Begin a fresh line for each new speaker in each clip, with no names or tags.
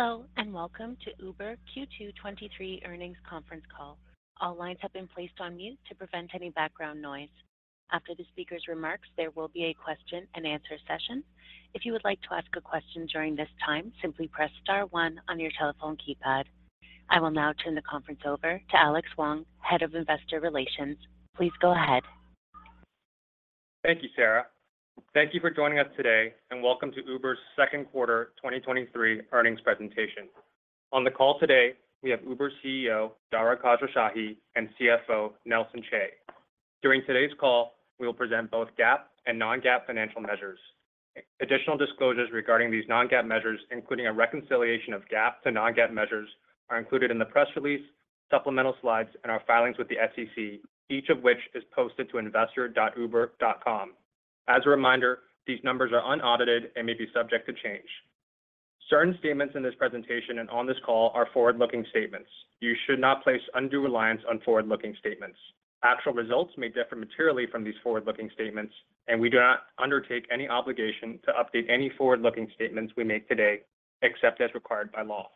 Hello, welcome to Uber Q2 23 Earnings Conference Call. All lines have been placed on mute to prevent any background noise. After the speaker's remarks, there will be a question-and-answer session. If you would like to ask a question during this time, simply press star one on your telephone keypad. I will now turn the conference over to Alex Hwang, Head of Investor Relations. Please go ahead.
Thank you, Sarah. Thank you for joining us today, and welcome to Uber's second quarter 2023 earnings presentation. On the call today, we have Uber's CEO, Dara Khosrowshahi, and CFO, Nelson Chai. During today's call, we will present both GAAP and non-GAAP financial measures. Additional disclosures regarding these non-GAAP measures, including a reconciliation of GAAP to non-GAAP measures, are included in the press release, supplemental slides, and our filings with the SEC, each of which is posted to investor.uber.com. As a reminder, these numbers are unaudited and may be subject to change. Certain statements in this presentation and on this call are forward-looking statements. You should not place undue reliance on forward-looking statements. Actual results may differ materially from these forward-looking statements, and we do not undertake any obligation to update any forward-looking statements we make today, except as required by law.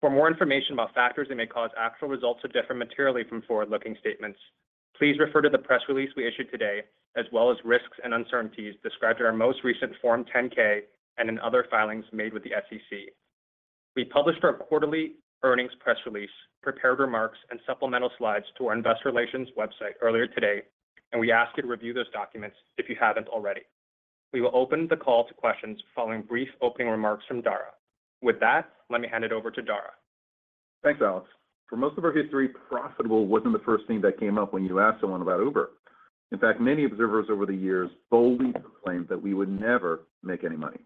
For more information about factors that may cause actual results to differ materially from forward-looking statements, please refer to the press release we issued today, as well as risks and uncertainties described in our most recent form 10-K and in other filings made with the SEC. We published our quarterly earnings press release, prepared remarks, and supplemental slides to our investor relations website earlier today, and we ask you to review those documents if you haven't already. We will open the call to questions following brief opening remarks from Dara. With that, let me hand it over to Dara.
Thanks, Alex. For most of our history, profitable wasn't the first thing that came up when you asked someone about Uber. In fact, many observers over the years boldly proclaimed that we would never make any money,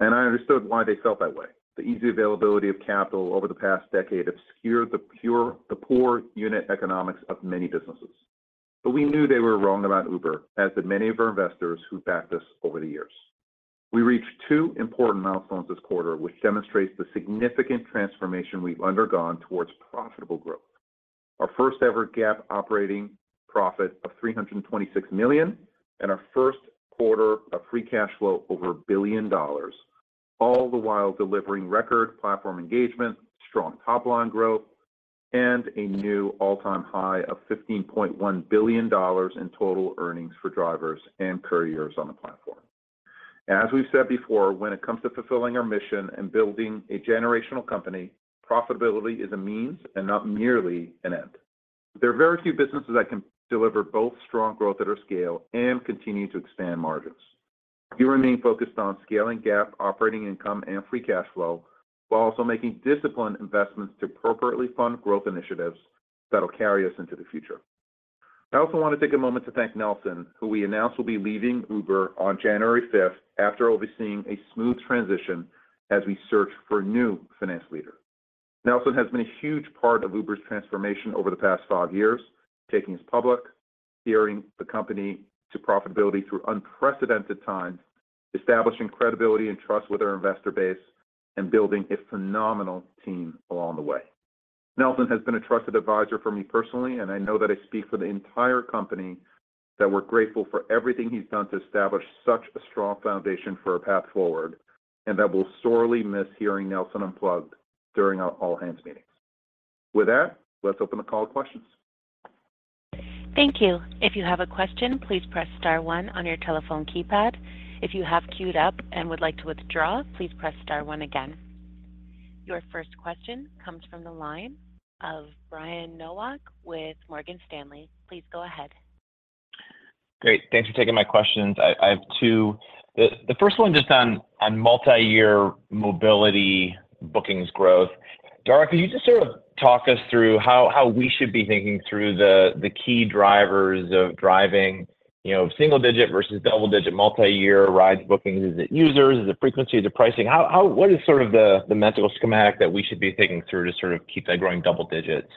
and I understood why they felt that way. The easy availability of capital over the past decade obscured the poor unit economics of many businesses. We knew they were wrong about Uber, as did many of our investors who backed us over the years. We reached two important milestones this quarter, which demonstrates the significant transformation we've undergone towards profitable growth. Our first-ever GAAP operating profit of $326 million, and our first quarter of free cash flow over $1 billion, all the while delivering record platform engagement, strong top line growth, and a new all-time high of $15.1 billion in total earnings for drivers and couriers on the platform. As we've said before, when it comes to fulfilling our mission and building a generational company, profitability is a means and not merely an end. There are very few businesses that can deliver both strong growth at our scale and continue to expand margins. We remain focused on scaling GAAP operating income and free cash flow, while also making disciplined investments to appropriately fund growth initiatives that'll carry us into the future. I also want to take a moment to thank Nelson, who we announced will be leaving Uber on January fifth after overseeing a smooth transition as we search for a new finance leader. Nelson has been a huge part of Uber's transformation over the past five years, taking us public, steering the company to profitability through unprecedented times, establishing credibility and trust with our investor base, and building a phenomenal team along the way. Nelson has been a trusted advisor for me personally, and I know that I speak for the entire company that we're grateful for everything he's done to establish such a strong foundation for our path forward, and I will sorely miss hearing Nelson unplugged during our all-hands meetings. With that, let's open the call to questions.
Thank you. If you have a question, please press star one on your telephone keypad. If you have queued up and would like to withdraw, please press star one again. Your first question comes from the line of Brian Nowak with Morgan Stanley. Please go ahead.
Great. Thanks for taking my questions. I, I have two. The, the first one just on, on multiyear mobility bookings growth. Dara, could you just sort of talk us through how, how we should be thinking through the, the key drivers of driving, you know, single-digit versus double-digit multiyear ride bookings? Is it users, is it frequency, is it pricing? How, how, what is sort of the mental schematic that we should be thinking through to sort of keep that growing double digits?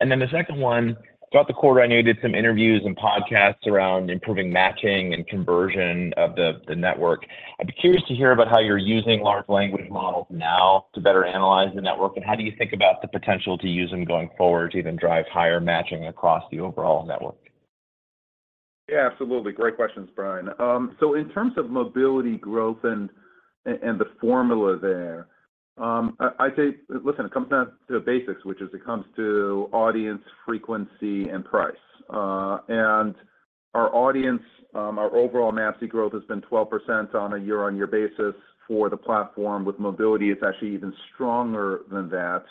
The second one, throughout the quarter, I know you did some interviews and podcasts around improving matching and conversion of the, the network. I'd be curious to hear about how you're using large language models now to better analyze the network, and how do you think about the potential to use them going forward to even drive higher matching across the overall network?
Yeah, absolutely. Great questions, Brian. So in terms of mobility growth and, and, and the formula there, I'd say it comes down to the basics, which is it comes to audience, frequency, and price. Our audience, our overall MAPCs growth has been 12% on a year-on-year basis for the platform. With mobility, it's actually even stronger than that.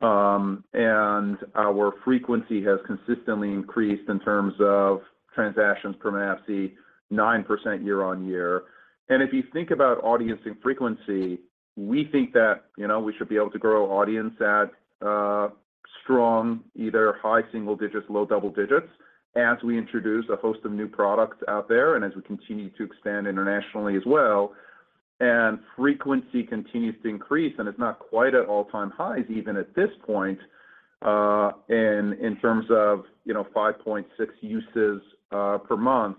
Our frequency has consistently increased in terms of transactions per MAPCs, 9% year-on-year. If you think about audience and frequency, we think that, you know, we should be able to grow audience at strong, either high single digits, low double digits, as we introduce a host of new products out there and as we continue to expand internationally as well. Frequency continues to increase, and it's not quite at all-time highs even at this point, in terms of, you know, 5.6 uses per month.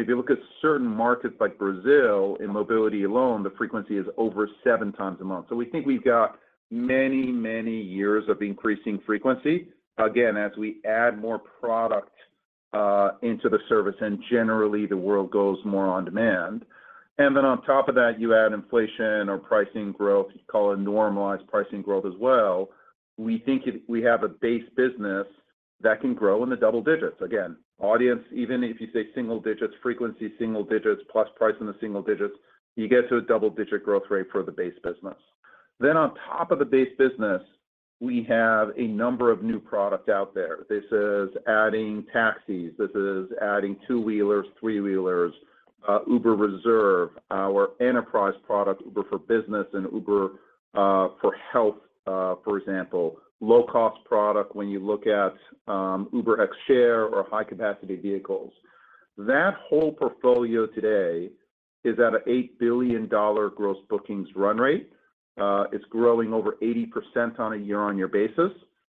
If you look at certain markets like Brazil, in mobility alone, the frequency is over seven times a month. We think we've got many, many years of increasing frequency. Again, as we add more product into the service, and generally, the world goes more on demand. Then on top of that, you add inflation or pricing growth, you call it normalized pricing growth as well. We think we have a base business that can grow in the double digits. Again, audience, even if you say single digits, frequency, single digits, plus pricing the single digits, you get to a double-digit growth rate for the base business. On top of the base business, we have a number of new product out there. This is adding taxis, this is adding two-wheelers, three-wheelers, Uber Reserve, our enterprise product, Uber for Business and Uber for Health, for example. Low-cost product when you look at UberX Share or high-capacity vehicles. That whole portfolio today is at a $8 billion gross bookings run rate, it's growing over 80% on a year-on-year basis.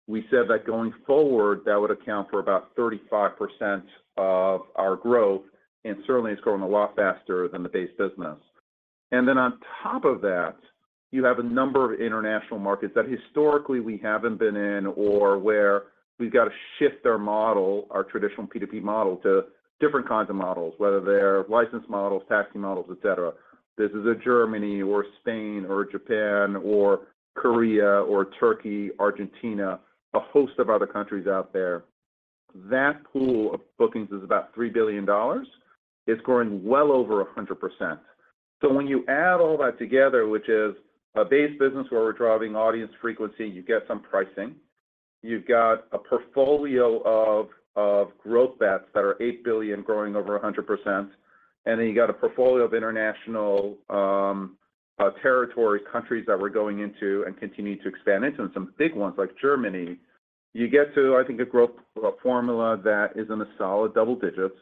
We said that going forward, that would account for about 35% of our growth, and certainly it's growing a lot faster than the base business. On top of that, you have a number of international markets that historically we haven't been in, or where we've got to shift our model, our traditional P2P model, to different kinds of models, whether they're license models, taxi models, et cetera. This is a Germany or Spain or Japan or Korea or Turkey, Argentina, a host of other countries out there. That pool of bookings is about $3 billion. It's growing well over 100%. When you add all that together, which is a base business where we're driving audience frequency, you get some pricing. You've got a portfolio of, of growth bets that are $8 billion, growing over 100%, and then you got a portfolio of international, territory, countries that we're going into and continuing to expand into, and some big ones like Germany. You get to, I think, a growth, a formula that is in the solid double digits,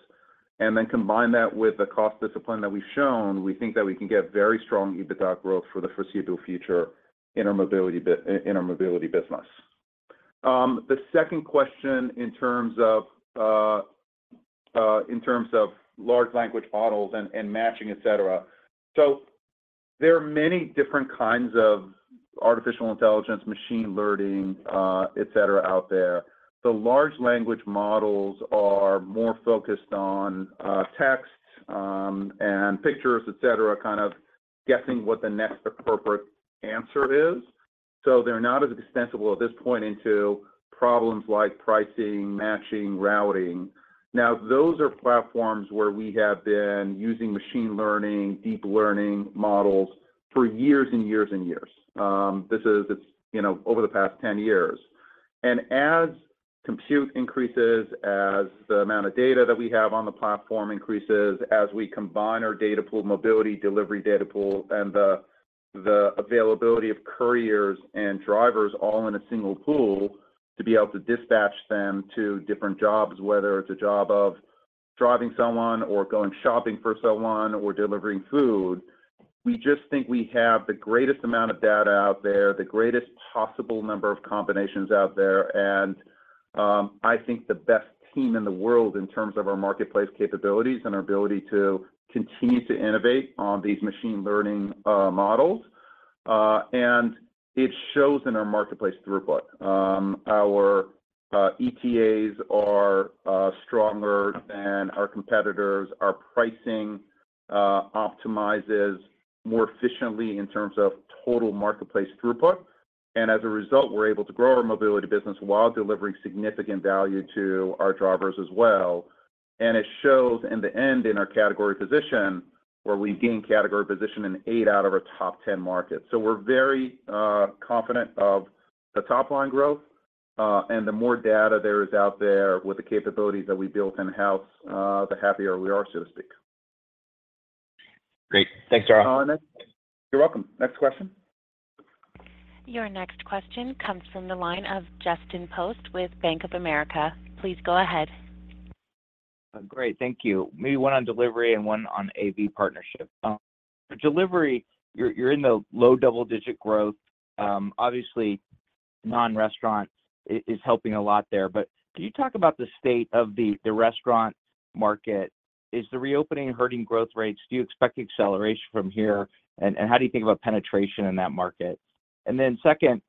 and then combine that with the cost discipline that we've shown, we think that we can get very strong EBITDA growth for the foreseeable future in our mobility business. The second question in terms of large language models and matching, et cetera. There are many different kinds of artificial intelligence, machine learning, et cetera, out there. The large language models are more focused on text and pictures, et cetera, kind of guessing what the next appropriate answer is. They're not as extensible at this point into problems like pricing, matching, routing. Those are platforms where we have been using machine learning, deep learning models for years and years and years. It's, you know, over the past 10 years. As compute increases, as the amount of data that we have on the platform increases, as we combine our data pool, mobility delivery data pool, and the, the availability of couriers and drivers all in a single pool, to be able to dispatch them to different jobs, whether it's a job of driving someone or going shopping for someone or delivering food, we just think we have the greatest amount of data out there, the greatest possible number of combinations out there, and, I think the best team in the world in terms of our marketplace capabilities and our ability to continue to innovate on these machine learning models. It shows in our marketplace throughput. Our ETAs are stronger than our competitors. Our pricing optimizes more efficiently in terms of total marketplace throughput. As a result, we're able to grow our mobility business while delivering significant value to our drivers as well. It shows in the end, in our category position, where we gain category position in eight out of our top 10 markets. We're very confident of the top-line growth, and the more data there is out there with the capabilities that we built in-house, the happier we are, so to speak.
Great. Thanks, Dara.
You're welcome. Next question?
Your next question comes from the line of Justin Post with Bank of America. Please go ahead.
Great, thank you. Maybe one on delivery and one on AV partnership. For delivery, you're, you're in the low double-digit growth. Obviously, non-restaurant is helping a lot there, but can you talk about the state of the restaurant market? Is the reopening hurting growth rates? Do you expect acceleration from here, and, and how do you think about penetration in that market? Second,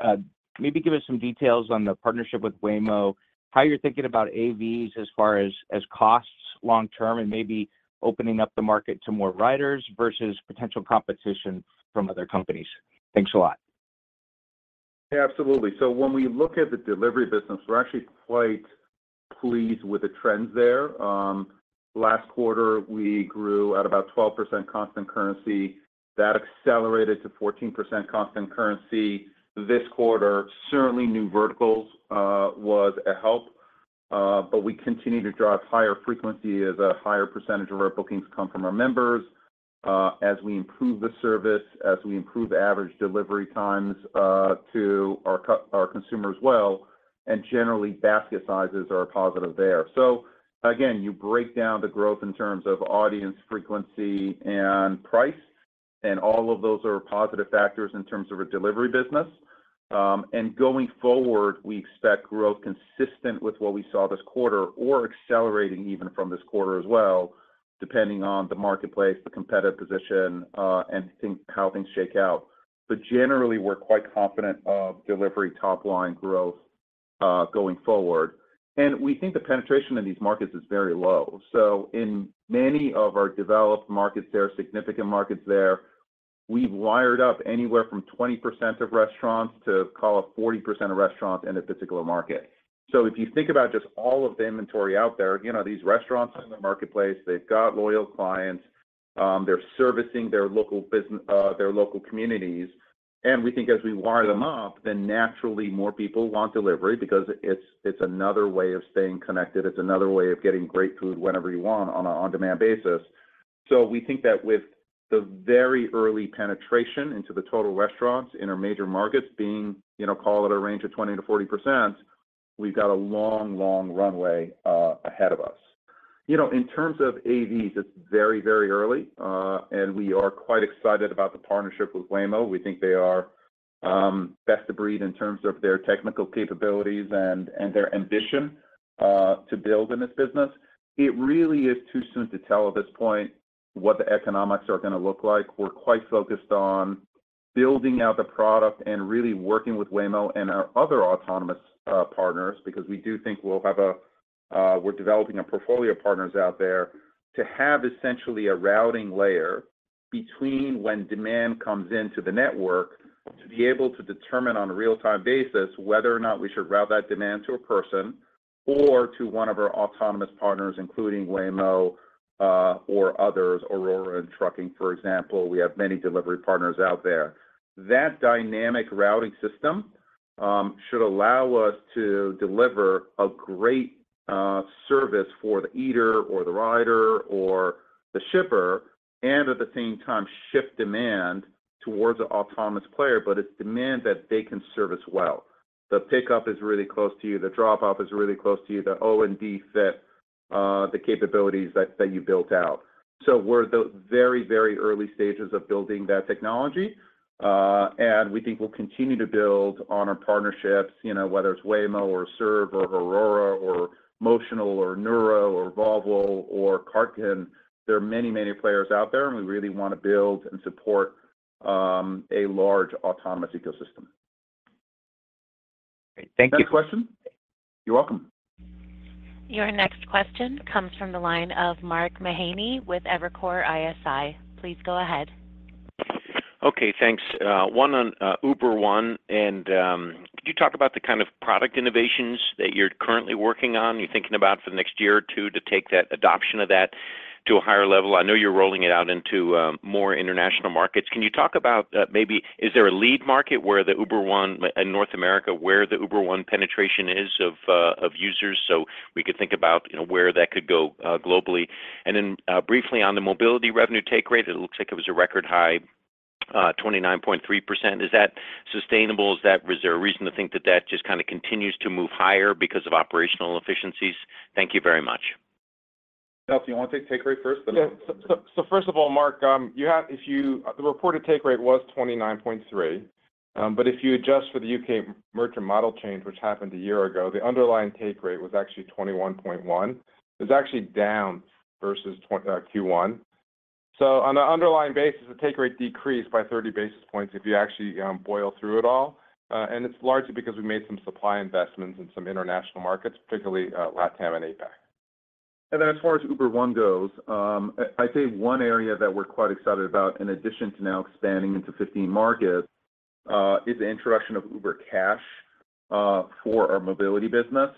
maybe give us some details on the partnership with Waymo, how you're thinking about AVs as far as costs long term, and maybe opening up the market to more riders versus potential competition from other companies. Thanks a lot.
Absolutely. When we look at the delivery business, we're actually quite pleased with the trends there. Last quarter, we grew at about 12% constant currency. That accelerated to 14% constant currency. This quarter, certainly new verticals was a help, but we continue to drive higher frequency as a higher percentage of our bookings come from our members, as we improve the service, as we improve average delivery times to our consumers well, and generally, basket sizes are positive there. Again, you break down the growth in terms of audience frequency and price, and all of those are positive factors in terms of our delivery business. And going forward, we expect growth consistent with what we saw this quarter or accelerating even from this quarter as well. depending on the marketplace, the competitive position, and things, how things shake out. Generally, we're quite confident of delivery top-line growth going forward. We think the penetration in these markets is very low. In many of our developed markets, there are significant markets there, we've wired up anywhere from 20% of restaurants to call it, 40% of restaurants in a particular market. If you think about just all of the inventory out there, you know, these restaurants are in the marketplace, they've got loyal clients, they're servicing their local communities. We think as we wire them up, then naturally, more people want delivery because it's, it's another way of staying connected. It's another way of getting great food whenever you want on a on-demand basis. We think that with the very early penetration into the total restaurants in our major markets being, you know, call it a range of 20%-40%, we've got a long, long runway ahead of us. You know, in terms of AVs, it's very, very early, and we are quite excited about the partnership with Waymo. We think they are best of breed in terms of their technical capabilities and, and their ambition to build in this business. It really is too soon to tell at this point what the economics are gonna look like. We're quite focused on building out the product and really working with Waymo and our other autonomous partners, because we do think we'll have a we're developing a portfolio of partners out there, to have essentially a routing layer between when demand comes into the network, to be able to determine on a real-time basis whether or not we should route that demand to a person or to one of our autonomous partners, including Waymo, or others, Aurora and Trucking, for example. We have many delivery partners out there. That dynamic routing system should allow us to deliver a great service for the eater or the rider or the shipper, and at the same time, shift demand towards an autonomous player, but it's demand that they can service well. The pickup is really close to you, the drop-off is really close to you, the O&D fit, the capabilities that, that you built out. We're at the very, very early stages of building that technology, and we think we'll continue to build on our partnerships, you know, whether it's Waymo or Serve or Aurora or Motional or Nuro or Volvo or Cartken. There are many, many players out there, and we really want to build and support a large autonomous ecosystem.
Great. Thank you.
Next question? You're welcome.
Your next question comes from the line of Mark Mahaney with Evercore ISI. Please go ahead.
Okay, thanks. One on Uber One, could you talk about the kind of product innovations that you're currently working on, you're thinking about for the next year or two to take that adoption of that to a higher level? I know you're rolling it out into more international markets. Can you talk about maybe is there a lead market where the Uber One in North America, where the Uber One penetration is of users, so we could think about, you know, where that could go globally? Briefly, on the mobility revenue take rate, it looks like it was a record high, 29.3%. Is that sustainable? Is there a reason to think that, that just kind of continues to move higher because of operational efficiencies? Thank you very much.
Nel, you want to take take rate first?
First of all, Mark, the reported take rate was 29.3, but if you adjust for the U.K. merchant model change, which happened a year ago, the underlying take rate was actually 21.1. It's actually down versus Q1. On an underlying basis, the take rate decreased by 30 basis points if you actually boil through it all. It's largely because we made some supply investments in some international markets, particularly, LatAm and APAC.
As far as Uber One goes, I'd say one area that we're quite excited about, in addition to now expanding into 15 markets, is the introduction of Uber Cash for our mobility business.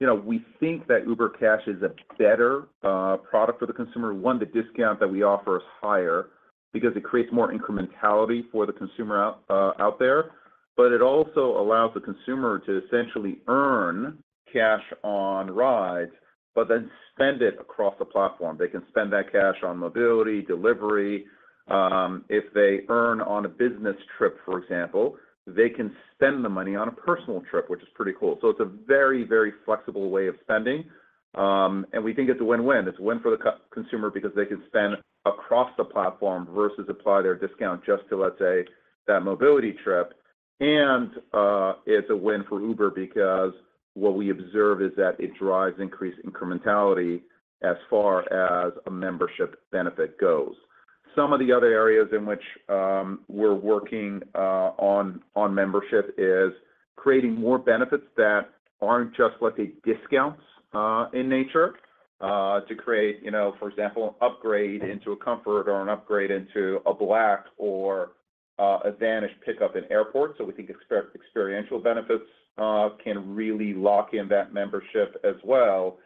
You know, we think that Uber Cash is a better product for the consumer. One, the discount that we offer is higher because it creates more incrementality for the consumer out there, but it also allows the consumer to essentially earn cash on rides, but then spend it across the platform. They can spend that cash on mobility, delivery. If they earn on a business trip, for example, they can spend the money on a personal trip, which is pretty cool. It's a very, very flexible way of spending, and we think it's a win-win. It's a win for the consumer because they can spend across the platform versus apply their discount just to, let's say, that mobility trip. It's a win for Uber because what we observe is that it drives increased incrementality as far as a membership benefit goes. Some of the other areas in which we're working on membership is creating more benefits that aren't just, let's say, discounts in nature, to create, you know, for example, an upgrade into a Comfort or an upgrade into a Black or advantage pickup in airports. We think experiential benefits can really lock in that membership as well.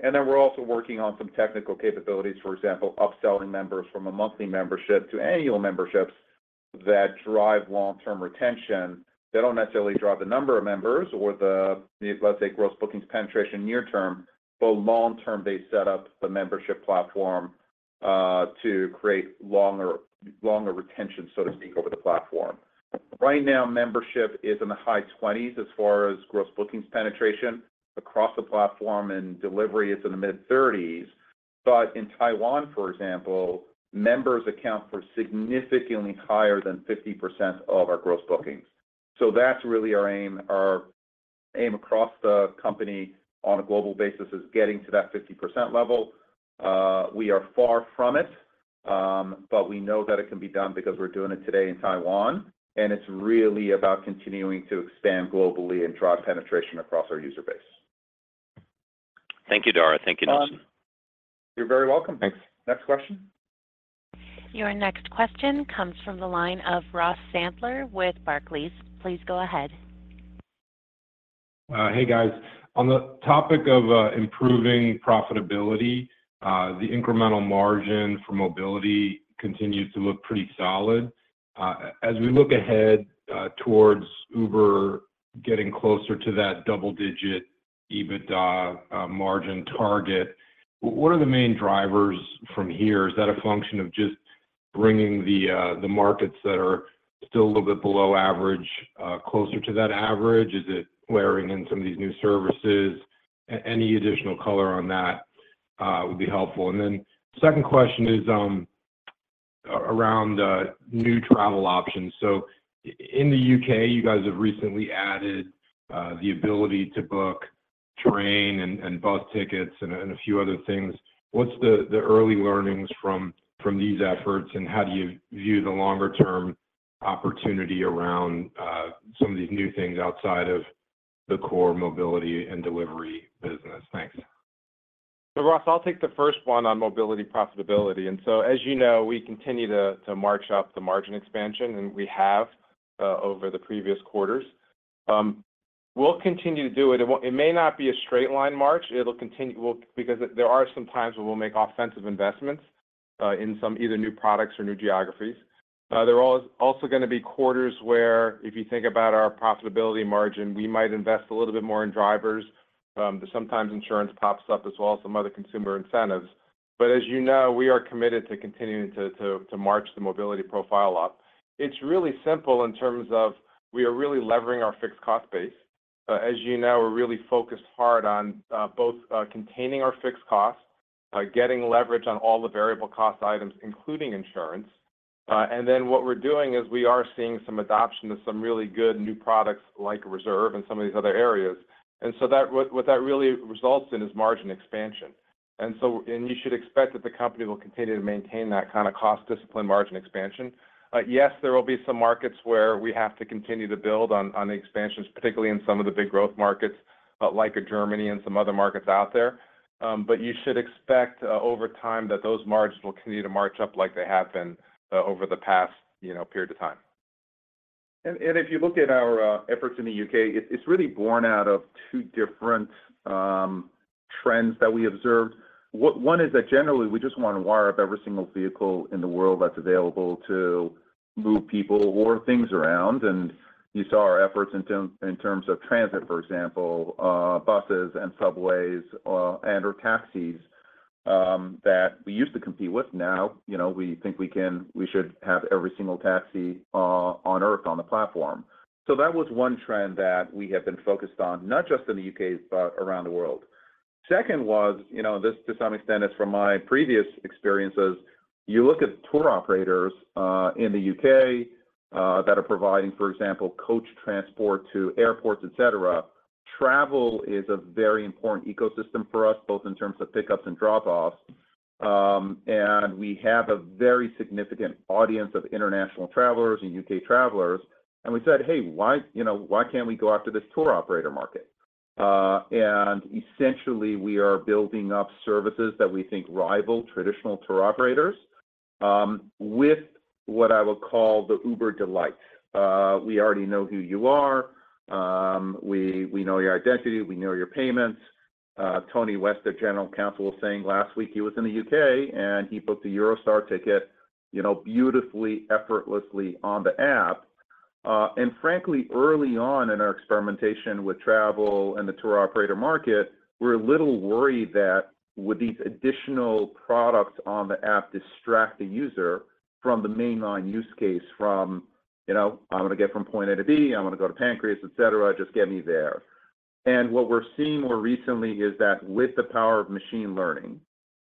Then we're also working on some technical capabilities, for example, upselling members from a monthly membership to annual memberships that drive long-term retention. They don't necessarily drive the number of members or the, let's say, gross bookings penetration near term, but long term, they set up the membership platform, to create longer, longer retention, so to speak, over the platform. Right now, membership is in the high 20s as far as gross bookings penetration. Across the platform in delivery, it's in the mid-30s. In Taiwan, for example, members account for significantly higher than 50% of our gross bookings. That's really our aim. Our. aim across the company on a global basis is getting to that 50% level. We are far from it, but we know that it can be done because we're doing it today in Taiwan, and it's really about continuing to expand globally and drive penetration across our user base. Thank you, Dara. Thank you, Nelson. You're very welcome.
Thanks.
Next question.
Your next question comes from the line of Ross Sandler with Barclays. Please go ahead.
Hey, guys. On the topic of improving profitability, the incremental margin for mobility continues to look pretty solid. As we look ahead towards Uber getting closer to that double-digit EBITDA margin target, what are the main drivers from here? Is that a function of just bringing the markets that are still a little bit below average closer to that average? Is it layering in some of these new services? Any additional color on that would be helpful. Then second question is around new travel options. In the U.K., you guys have recently added the ability to book train and bus tickets and a few other things. What's the, the early learnings from, from these efforts, and how do you view the longer-term opportunity around some of these new things outside of the core mobility and delivery business? Thanks.
Ross, I'll take the first one on mobility profitability. As you know, we continue to, to march up the margin expansion, and we have over the previous quarters. We'll continue to do it. It may not be a straight-line march. Because there are some times when we'll make offensive investments in some either new products or new geographies. There are also gonna be quarters where, if you think about our profitability margin, we might invest a little bit more in drivers. Sometimes insurance pops up as well, and some other consumer incentives. As you know, we are committed to continuing to, to, to march the mobility profile up. It's really simple in terms of we are really levering our fixed cost base. As you know, we're really focused hard on both containing our fixed costs, getting leverage on all the variable cost items, including insurance. What we're doing is we are seeing some adoption of some really good new products like Reserve and some of these other areas. That, what, what that really results in is margin expansion. You should expect that the company will continue to maintain that kind of cost discipline, margin expansion. Yes, there will be some markets where we have to continue to build on, on the expansions, particularly in some of the big growth markets, like a Germany and some other markets out there. But you should expect over time that those margins will continue to march up like they have been over the past, you know, period of time.
If you look at our efforts in the U.K., it's really born out of two different trends that we observed. One is that generally, we just want to wire up every single vehicle in the world that's available to move people or things around, and you saw our efforts in terms of transit, for example, buses and subways, and/or taxis that we used to compete with. Now, you know, we think we should have every single taxi on Earth on the platform. That was one trend that we have been focused on, not just in the U.K., but around the world. Second was, you know, this to some extent, is from my previous experiences. You look at tour operators in the U.K. that are providing, for example, coach transport to airports, et cetera. Travel is a very important ecosystem for us, both in terms of pickups and drop-offs. We have a very significant audience of international travelers and U.K. travelers, and we said: Hey, why, you know, why can't we go after this tour operator market? Essentially, we are building up services that we think rival traditional tour operators, with what I would call the Uber delight. We already know who you are. We, we know your identity. We know your payments. Tony West, the general counsel, was saying last week he was in the U.K., and he booked a Eurostar ticket, you know, beautifully, effortlessly on the app. Frankly, early on in our experimentation with travel and the tour operator market, we were a little worried that would these additional products on the app distract the user from the mainline use case, from, you know, I want to get from point A to B, I want to go to Pancras, et cetera, just get me there. What we're seeing more recently is that with the power of machine learning,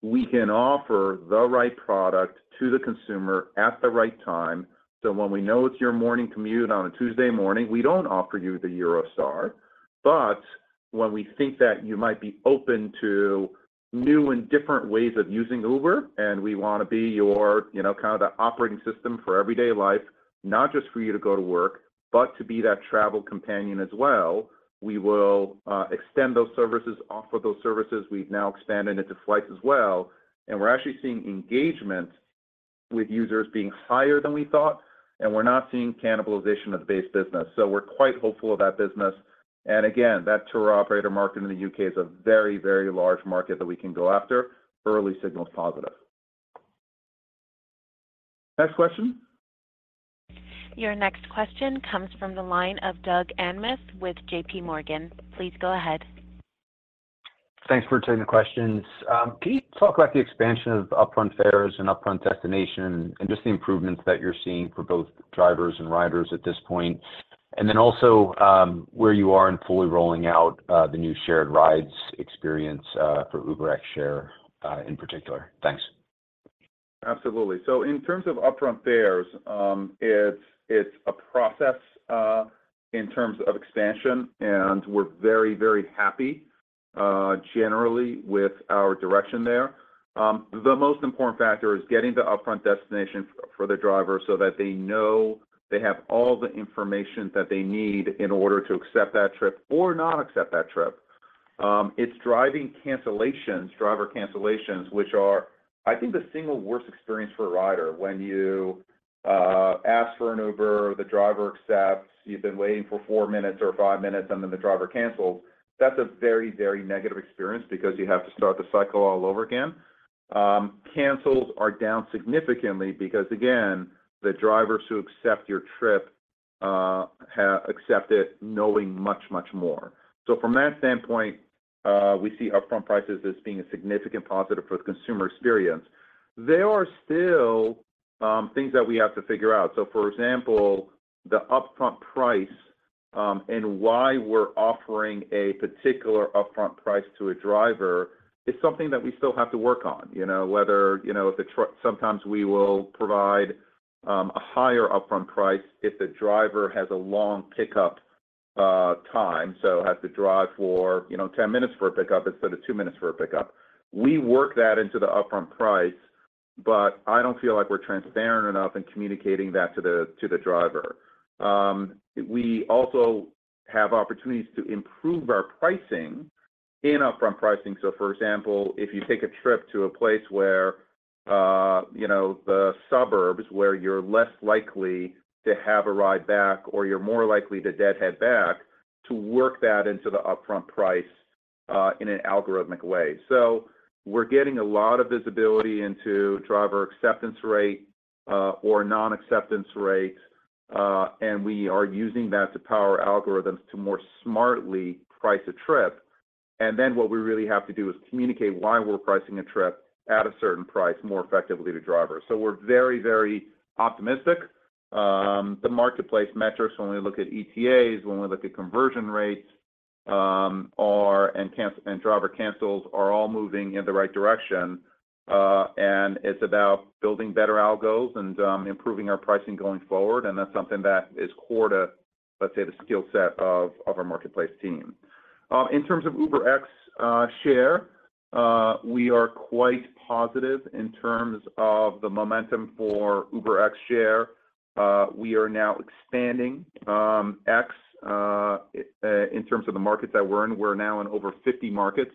we can offer the right product to the consumer at the right time. When we know it's your morning commute on a Tuesday morning, we don't offer you the Eurostar. When we think that you might be open to new and different ways of using Uber, and we want to be your, you know, kind of the operating system for everyday life, not just for you to go to work, but to be that travel companion as well, we will extend those services, offer those services. We've now expanded it to flights as well, and we're actually seeing engagement with users being higher than we thought, and we're not seeing cannibalization of the base business. We're quite hopeful of that business. Again, that tour operator market in the U.K. is a very, very large market that we can go after. Early signal's positive. Next question?
Your next question comes from the line of Doug Anmuth with JPMorgan. Please go ahead.
Thanks for taking the questions. Can you talk about the expansion of upfront fares and upfront destination and just the improvements that you're seeing for both drivers and riders at this point? Also, where you are in fully rolling out the new shared rides experience for UberX Share in particular? Thanks.
Absolutely. In terms of upfront fares, it's, it's a process in terms of expansion, and we're very, very happy generally with our direction there. The most important factor is getting the upfront destination for, for the driver so that they know they have all the information that they need in order to accept that trip or not accept that trip. It's driving cancellations, driver cancellations, which are, I think, the single worst experience for a rider. When you ask for an Uber, the driver accepts, you've been waiting for four minutes or five minutes, and then the driver cancels, that's a very, very negative experience because you have to start the cycle all over again. Cancels are down significantly because, again, the drivers who accept your trip accept it knowing much, much more. From that standpoint, we see upfront prices as being a significant positive for the consumer experience. There are still things that we have to figure out. For example, the upfront price and why we're offering a particular upfront price to a driver is something that we still have to work on. You know, whether if sometimes we will provide a higher upfront price if the driver has a long pickup time, so has to drive for, you know, 10 minutes for a pickup instead of two minutes for a pickup. We work that into the upfront price, I don't feel like we're transparent enough in communicating that to the driver. We also have opportunities to improve our pricing in upfront pricing. For example, if you take a trip to a place where, you know, the suburbs, where you're less likely to have a ride back or you're more likely to deadhead back, to work that into the upfront price in an algorithmic way. We're getting a lot of visibility into driver acceptance rate or non-acceptance rates, and we are using that to power algorithms to more smartly price a trip. What we really have to do is communicate why we're pricing a trip at a certain price more effectively to drivers. We're very, very optimistic. The marketplace metrics, when we look at ETAs, when we look at conversion rates, and cancel- and driver cancels, are all moving in the right direction. It's about building better algos and improving our pricing going forward, and that's something that is core to, let's say, the skill set of, of our marketplace team. In terms of UberX Share, we are quite positive in terms of the momentum for UberX Share. We are now expanding X in terms of the markets that we're in. We're now in over 50 markets.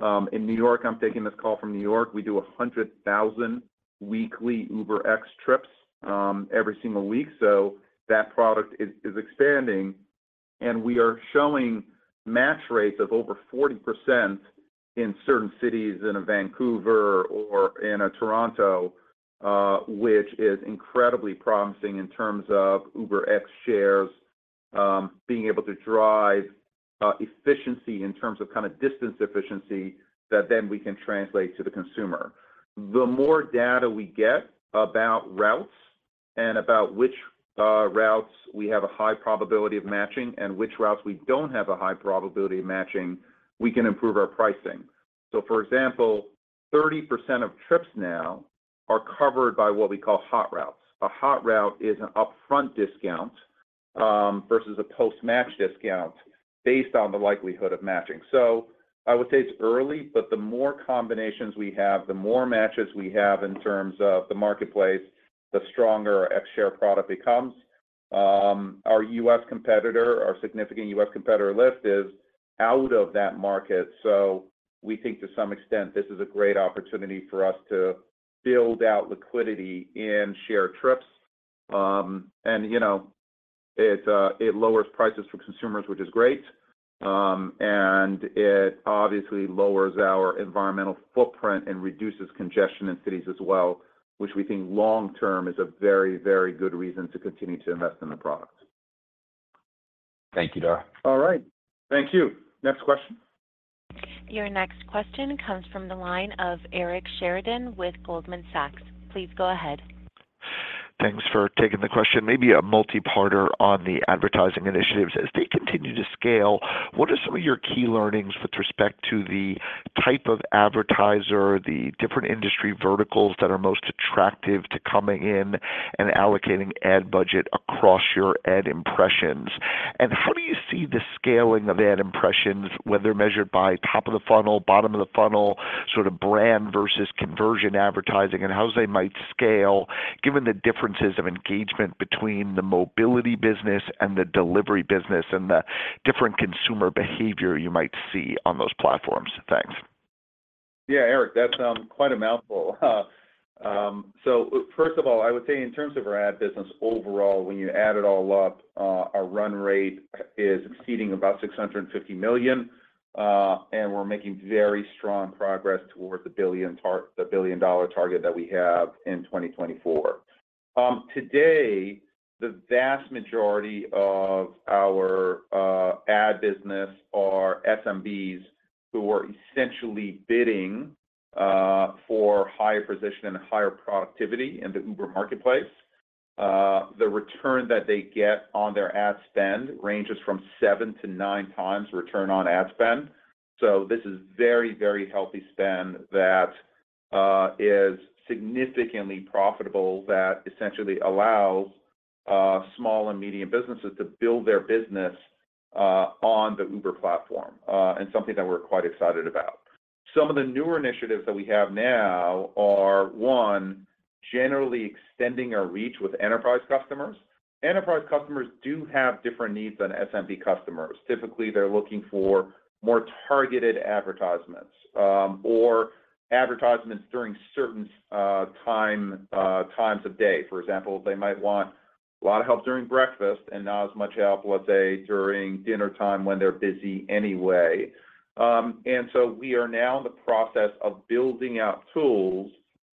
In New York, I'm taking this call from New York, we do 100,000 weekly UberX trips every single week. That product is expanding, we are showing match rates of over 40% in certain cities in a Vancouver or in a Toronto, which is incredibly promising in terms of UberX Share's being able to drive efficiency in terms of kind of distance efficiency that then we can translate to the consumer. The more data we get about routes and about which routes we have a high probability of matching and which routes we don't have a high probability of matching, we can improve our pricing. For example, 30% of trips now are covered by what we call hot routes. A hot route is an upfront discount versus a post-match discount based on the likelihood of matching. I would say it's early, but the more combinations we have, the more matches we have in terms of the marketplace, the stronger our X Share product becomes. Our U.S. competitor, our significant U.S. competitor, Lyft, is out of that market. We think to some extent, this is a great opportunity for us to build out liquidity in share trips. You know, it lowers prices for consumers, which is great. And it obviously lowers our environmental footprint and reduces congestion in cities as well, which we think long-term is a very, very good reason to continue to invest in the product.
Thank you, Dara.
All right. Thank you. Next question.
Your next question comes from the line of Eric Sheridan with Goldman Sachs. Please go ahead.
Thanks for taking the question. Maybe a multi-parter on the advertising initiatives. As they continue to scale, what are some of your key learnings with respect to the type of advertiser, the different industry verticals that are most attractive to coming in and allocating ad budget across your ad impressions? How do you see the scaling of ad impressions, whether measured by top of the funnel, bottom of the funnel, sort of brand versus conversion advertising, and how they might scale, given the differences of engagement between the mobility business and the delivery business, and the different consumer behavior you might see on those platforms? Thanks.
Yeah, Eric, that's quite a mouthful. First of all, I would say in terms of our ad business overall, when you add it all up, our run rate is exceeding about $650 million. We're making very strong progress towards the $1 billion target that we have in 2024. Today, the vast majority of our ad business are SMBs, who are essentially bidding for higher position and higher productivity in the Uber marketplace. The return that they get on their ad spend ranges from 7-9 times return on ad spend. This is very, very healthy spend that is significantly profitable, that essentially allows small and medium businesses to build their business on the Uber platform, and something that we're quite excited about. Some of the newer initiatives that we have now are, one, generally extending our reach with enterprise customers. Enterprise customers do have different needs than SMB customers. Typically, they're looking for more targeted advertisements, or advertisements during certain time, times of day. For example, they might want a lot of help during breakfast and not as much help, let's say, during dinner time when they're busy anyway. We are now in the process of building out tools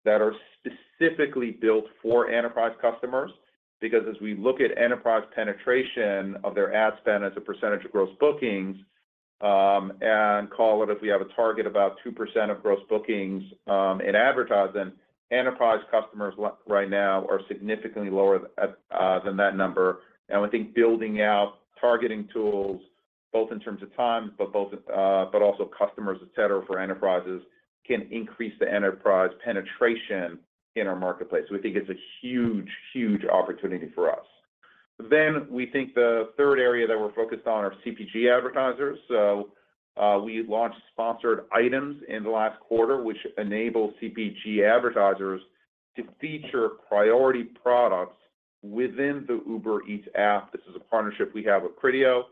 that are specifically built for enterprise customers, because as we look at enterprise penetration of their ad spend as a percentage of gross bookings, and call it, if we have a target, about 2% of gross bookings in advertising, enterprise customers right now are significantly lower than that number. We think building out targeting tools, both in terms of time, but also customers, et cetera, for enterprises, can increase the enterprise penetration in our marketplace. We think it's a huge, huge opportunity for us. We think the third area that we're focused on are CPG advertisers. We launched Sponsored Items in the last quarter, which enable CPG advertisers to feature priority products within the Uber Eats app. This is a partnership we have with Criteo.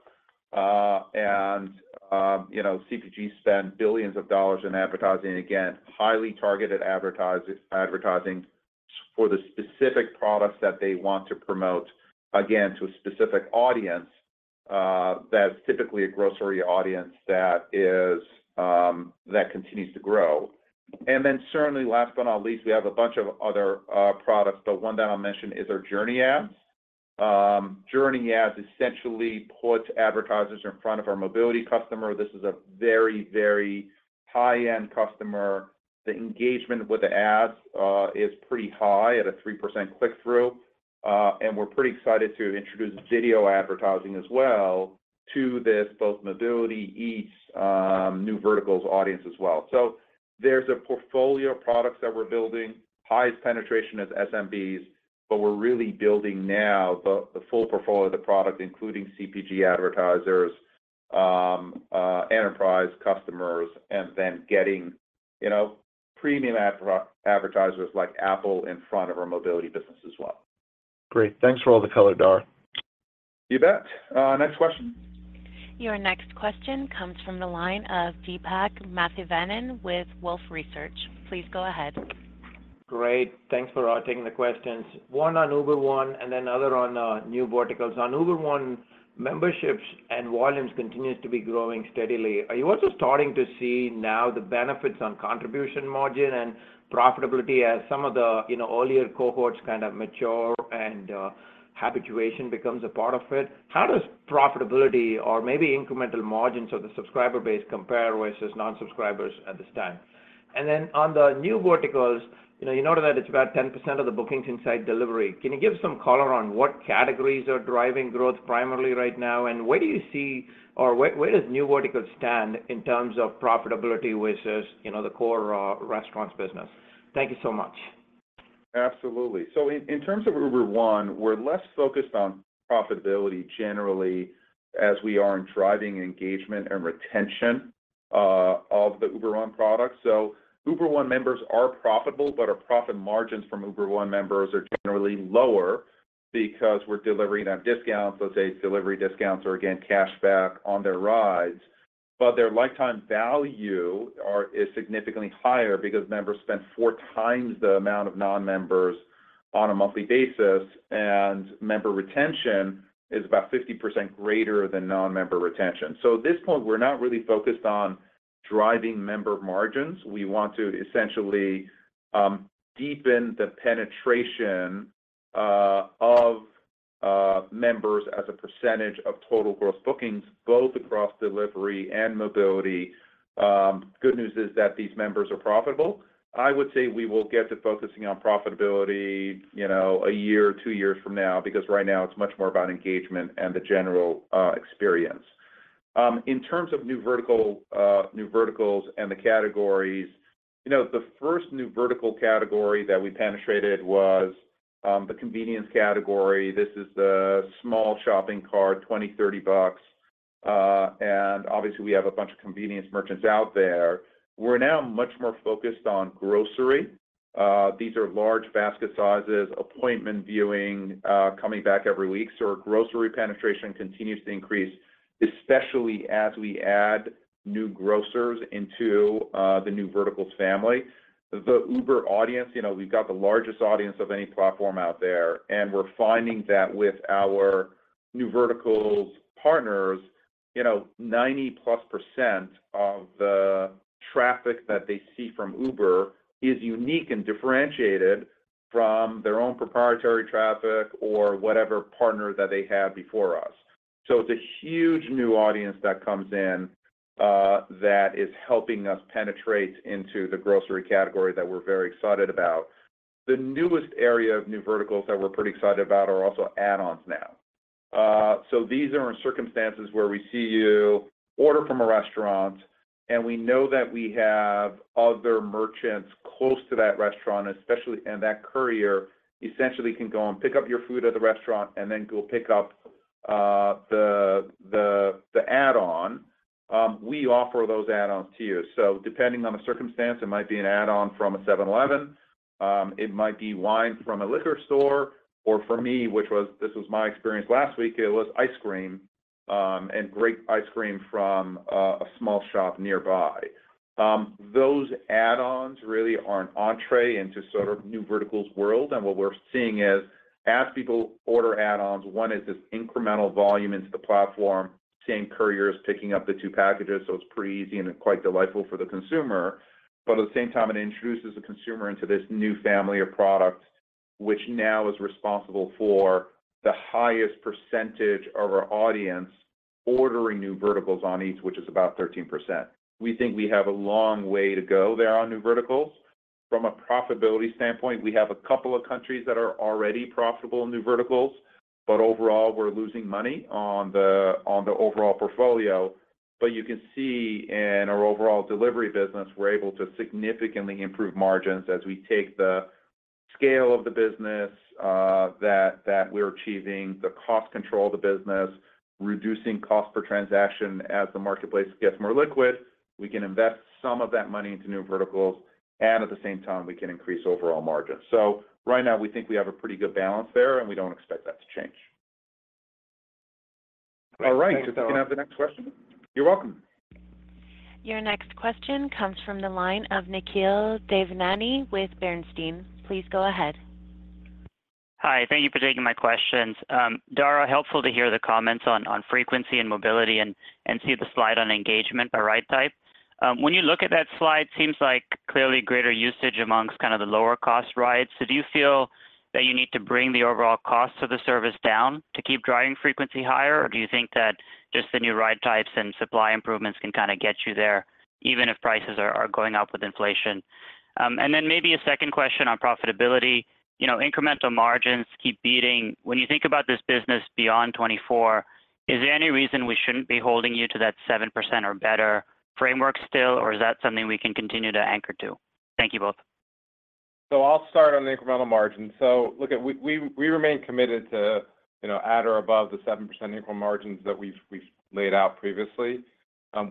You know, CPG spend billions of dollars in advertising. Again, highly targeted advertising for the specific products that they want to promote, again, to a specific audience that's typically a grocery audience that continues to grow. Certainly last but not least, we have a bunch of other products, but one that I'll mention is our Journey Ads. Journey Ads essentially puts advertisers in front of our Mobility customer. This is a very, very high-end customer. The engagement with the ads is pretty high at a 3% click-through, and we're pretty excited to introduce video advertising as well to this, both Mobility, Eats, new verticals audience as well. There's a portfolio of products that we're building, highest penetration is SMBs, but we're really building now the, the full portfolio of the product, including CPG advertisers, enterprise customers, and then getting, you know, premium advertisers like Apple in front of our Mobility business as well.
Great. Thanks for all the color, Dar.
You bet. Next question.
Your next question comes from the line of Deepak Mathivanan with Wolfe Research. Please go ahead.
Great. Thanks for taking the questions. One on Uber One and then another on new verticals. On Uber One, memberships and volumes continues to be growing steadily. Are you also starting to see now the benefits on contribution margin and profitability as some of the, you know, earlier cohorts kind of mature and habituation becomes a part of it? How does profitability or maybe incremental margins of the subscriber base compare versus non-subscribers at this time? Then on the new verticals, you know, you noted that it's about 10% of the bookings inside delivery. Can you give some color on what categories are driving growth primarily right now? Where, where does new verticals stand in terms of profitability versus, you know, the core restaurants business? Thank you so much.
Absolutely. In, in terms of Uber One, we're less focused on profitability generally as we are in driving engagement and retention of the Uber One product. Uber One members are profitable, our profit margins from Uber One members are generally lower because we're delivering them discounts, let's say delivery discounts or again, cash back on their rides. Their lifetime value is significantly higher because members spend four times the amount of non-members on a monthly basis, and member retention is about 50% greater than non-member retention. At this point, we're not really focused on driving member margins. We want to essentially deepen the penetration of members as a percentage of total gross bookings, both across delivery and mobility. Good news is that these members are profitable. I would say we will get to focusing on profitability, you know, a year or two years from now, because right now it's much more about engagement and the general experience. In terms of new vertical, new verticals and the categories, you know, the first new vertical category that we penetrated was the convenience category. This is the small shopping cart, $20, $30 bucks, and obviously we have a bunch of convenience merchants out there. We're now much more focused on grocery. These are large basket sizes, appointment viewing, coming back every week. Our grocery penetration continues to increase, especially as we add new grocers into the new verticals family. The Uber audience, you know, we've got the largest audience of any platform out there, and we're finding that with our new verticals partners, you know, 90%+ of the traffic that they see from Uber is unique and differentiated from their own proprietary traffic or whatever partner that they had before us. It's a huge new audience that comes in that is helping us penetrate into the grocery category that we're very excited about. The newest area of new verticals that we're pretty excited about are also add-ons now. These are in circumstances where we see you order from a restaurant, and we know that we have other merchants close to that restaurant, especially, and that courier essentially can go and pick up your food at the restaurant and then go pick up the, the, the add-on. We offer those add-ons to you. Depending on the circumstance, it might be an add-on from a 7-Eleven, it might be wine from a liquor store, or for me, which was, this was my experience last week, it was ice cream, and great ice cream from a small shop nearby. Those add-ons really are an entree into sort of new verticals world. What we're seeing is, as people order add-ons, one is this incremental volume into the platform, same couriers picking up the two packages, so it's pretty easy and quite delightful for the consumer. At the same time, it introduces the consumer into this new family of products, which now is responsible for the highest percentage of our audience ordering new verticals on Eats, which is about 13%. We think we have a long way to go there on new verticals. From a profitability standpoint, we have a couple of countries that are already profitable in new verticals, overall, we're losing money on the, on the overall portfolio. You can see in our overall delivery business, we're able to significantly improve margins as we take the scale of the business, that, that we're achieving, the cost control of the business, reducing cost per transaction as the marketplace gets more liquid. We can invest some of that money into new verticals, and at the same time, we can increase overall margins. Right now, we think we have a pretty good balance there, and we don't expect that to change. All right. Can I have the next question? You're welcome.
Your next question comes from the line of Nikhil Devnani with Bernstein. Please go ahead.
Hi, thank you for taking my questions. Dara, helpful to hear the comments on, on frequency and mobility and, and see the slide on engagement by ride type. When you look at that slide, seems like clearly greater usage amongst kind of the lower-cost rides. Do you feel that you need to bring the overall cost of the service down to keep driving frequency higher? Or do you think that just the new ride types and supply improvements can kind of get you there, even if prices are, are going up with inflation? Maybe a second question on profitability. You know, incremental margins keep beating. When you think about this business beyond 2024, is there any reason we shouldn't be holding you to that 7% or better framework still? Or is that something we can continue to anchor to? Thank you both.
I'll start on the incremental margin. Look, we, we, we remain committed to, you know, at or above the 7% incremental margins that we've, we've laid out previously.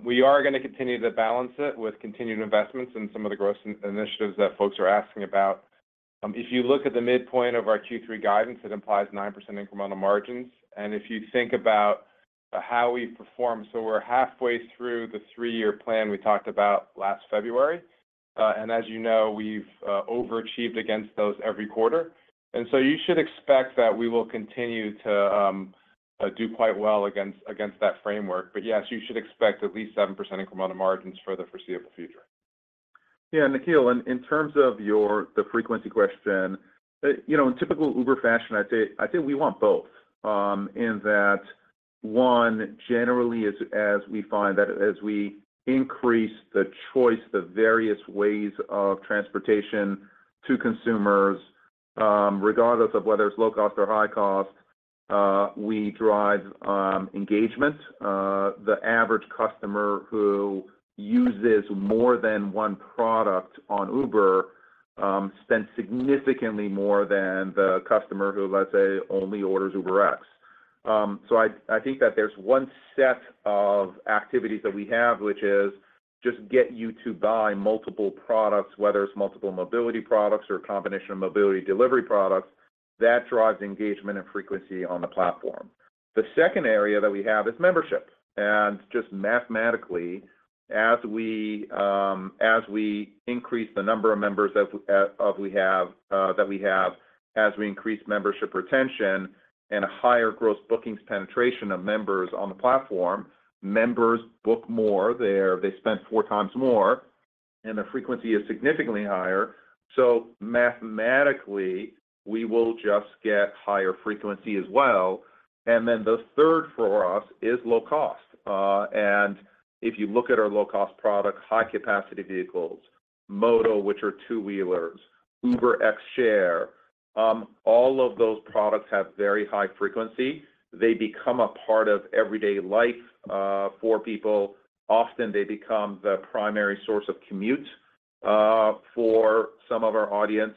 We are going to continue to balance it with continued investments in some of the growth initiatives that folks are asking about. If you look at the midpoint of our Q3 guidance, it implies 9% incremental margins. If you think about how we perform, so we're halfway through the three-year plan we talked about last February. As you know, we've overachieved against those every quarter. You should expect that we will continue to do quite well against, against that framework. Yes, you should expect at least 7% incremental margins for the foreseeable future.
Yeah, Nikhil, in terms of the frequency question, you know, in typical Uber fashion, I'd say, I think we want both. In that one, generally, as, as we find that as we increase the choice, the various ways of transportation to consumers, regardless of whether it's low cost or high cost, we drive engagement. The average customer who uses more than one product on Uber, spends significantly more than the customer who, let's say, only orders UberX. I, I think that there's one set of activities that we have, which is just get you to buy multiple products, whether it's multiple mobility products or a combination of mobility delivery products, that drives engagement and frequency on the platform. The second area that we have is membership. Just mathematically, as we increase the number of members of, of we have, that we have, as we increase membership retention and a higher gross bookings penetration of members on the platform, members book more. They spend four times more. The frequency is significantly higher. Mathematically, we will just get higher frequency as well. The third for us is low cost. If you look at our low-cost products, high-capacity vehicles, Moto, which are two-wheelers, UberX Share, all of those products have very high frequency. They become a part of everyday life for people. Often, they become the primary source of commute for some of our audience.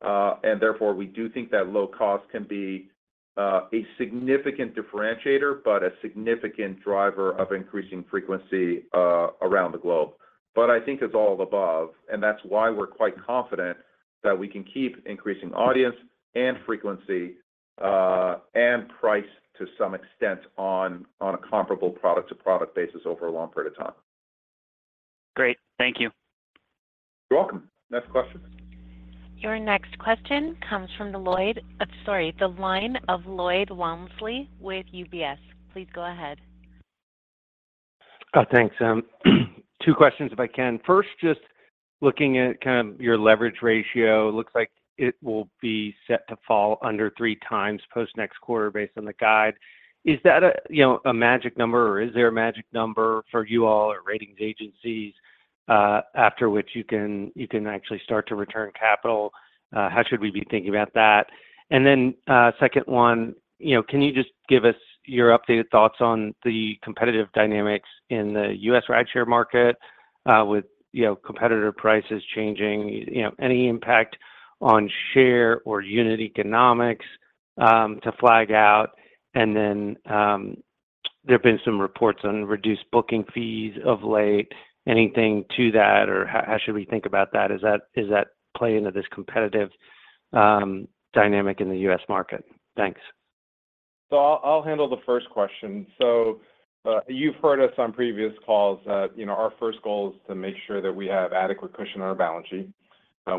Therefore, we do think that low cost can be a significant differentiator, but a significant driver of increasing frequency around the globe. I think it's all of the above, and that's why we're quite confident that we can keep increasing audience and frequency, and price to some extent on, on a comparable product-to-product basis over a long period of time.
Great. Thank you.
You're welcome. Next question.
Your next question comes from the Lloyd... sorry, the line of Lloyd Walmsley with UBS. Please go ahead.
Thanks. Two questions, if I can. First, just... Looking at kind of your leverage ratio, it looks like it will be set to fall under three times post next quarter based on the guide. Is that a, you know, a magic number, or is there a magic number for you all or ratings agencies, after which you can, you can actually start to return capital? How should we be thinking about that? Then, second one, you know, can you just give us your updated thoughts on the competitive dynamics in the U.S. rideshare market, with, you know, competitor prices changing, you know, any impact on share or unit economics, to flag out? Then, there have been some reports on reduced booking fees of late. Anything to that, or how, how should we think about that? Is that play into this competitive, dynamic in the U.S. market? Thanks.
I'll, I'll handle the first question. You've heard us on previous calls that, you know, our first goal is to make sure that we have adequate cushion on our balance sheet.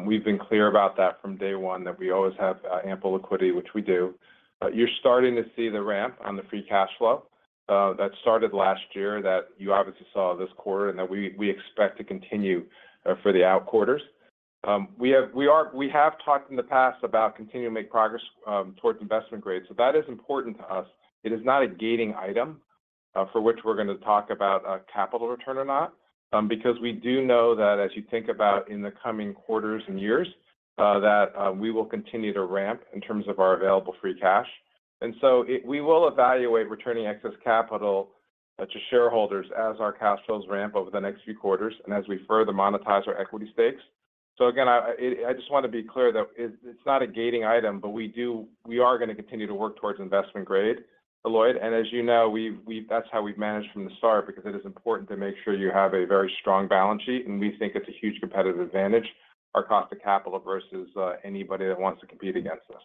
We've been clear about that from day one, that we always have ample liquidity, which we do. You're starting to see the ramp on the free cash flow that started last year, that you obviously saw this quarter, and that we, we expect to continue for the out quarters. We have talked in the past about continuing to make progress towards investment grade. That is important to us. It is not a gating item, for which we're gonna talk about a capital return or not, because we do know that as you think about in the coming quarters and years, that we will continue to ramp in terms of our available free cash. It, we will evaluate returning excess capital to shareholders as our cash flows ramp over the next few quarters and as we further monetize our equity stakes. Again, I, I, I just want to be clear, though, it, it's not a gating item, but we are gonna continue to work towards investment grade, Lloyd. As you know, that's how we've managed from the start, because it is important to make sure you have a very strong balance sheet, and we think it's a huge competitive advantage, our cost of capital versus anybody that wants to compete against us.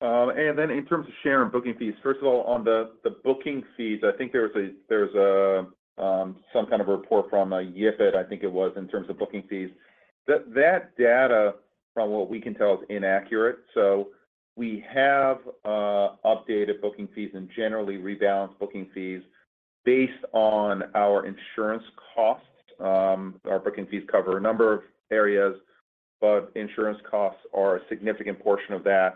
Then in terms of share and booking fees, first of all, on the, the booking fees, I think there was a, there was a some kind of report from YipitData, I think it was, in terms of booking fees. That, that data, from what we can tell, is inaccurate. We have updated booking fees and generally rebalanced booking fees based on our insurance costs. Our booking fees cover a number of areas, but insurance costs are a significant portion of that.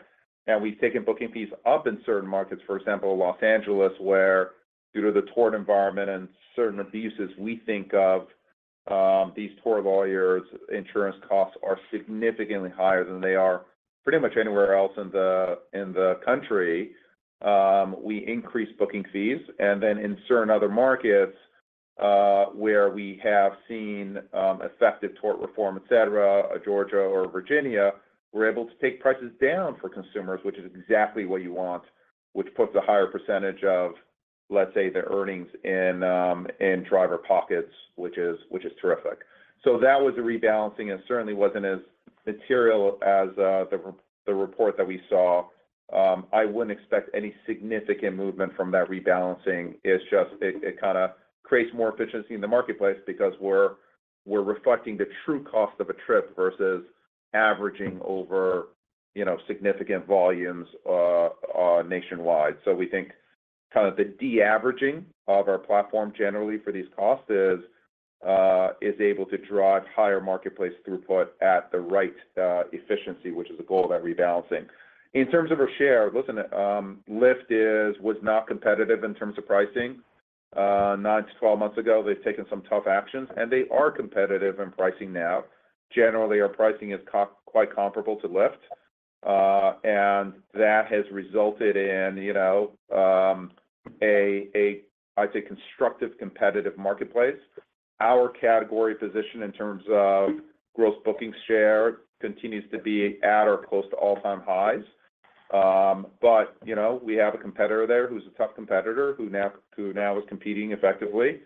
We've taken booking fees up in certain markets, for example, Los Angeles, where due to the tort environment and certain abuses we think of, these tort lawyers, insurance costs are significantly higher than they are pretty much anywhere else in the, in the country. We increased booking fees. Then in certain other markets, where we have seen, effective tort reform, et cetera, Georgia or Virginia, we're able to take prices down for consumers, which is exactly what you want, which puts a higher percentage of, let's say, the earnings in, in driver pockets, which is, which is terrific. That was a rebalancing and certainly wasn't as material as the report that we saw. I wouldn't expect any significant movement from that rebalancing. It's just, it, it kind of creates more efficiency in the marketplace because we're, we're reflecting the true cost of a trip versus averaging over, you know, significant volumes nationwide. We think kind of the de-averaging of our platform generally for these costs is able to drive higher marketplace throughput at the right efficiency, which is a goal of that rebalancing. In terms of our share, listen, Lyft was not competitive in terms of pricing nine to 12 months ago. They've taken some tough actions, and they are competitive in pricing now. Generally, our pricing is quite comparable to Lyft, and that has resulted in, you know, I'd say, a constructive, competitive marketplace. Our category position in terms of gross booking share continues to be at or close to all-time highs. You know, we have a competitor there who's a tough competitor, who now, who now is competing effectively.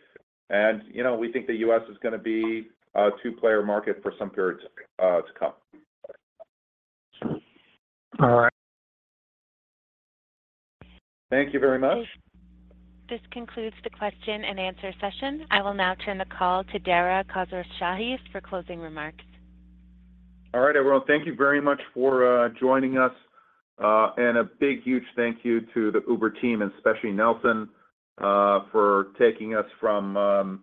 You know, we think the U.S. is gonna be a two-player market for some period to come.
All right.
Thank you very much.
This concludes the question and answer session. I will now turn the call to Dara Khosrowshahi for closing remarks.
All right, everyone, thank you very much for, joining us. A big, huge thank you to the Uber team, and especially Nelson, for taking us from,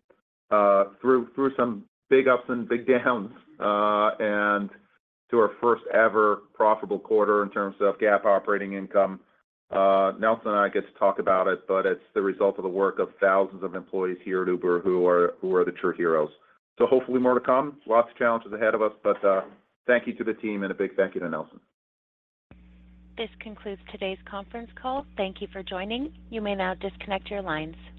through, through some big ups and big downs, and to our first ever profitable quarter in terms of GAAP operating income. Nelson and I get to talk about it, but it's the result of the work of thousands of employees here at Uber who are, who are the true heroes. Hopefully more to come. Lots of challenges ahead of us, thank you to the team and a big thank you to Nelson.
This concludes today's conference call. Thank you for joining. You may now disconnect your lines.